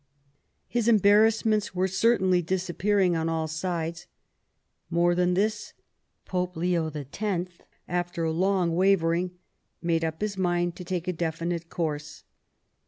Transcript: His embarrassments were certainly disappearing on all sides. More than this. Pope Leo X., after long wavering, made up his mind to take a definite course.